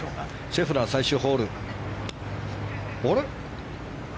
シェフラー、最終ホール。